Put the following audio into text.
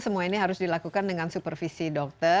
semua ini harus dilakukan dengan supervisi dokter